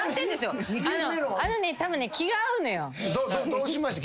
どうしました？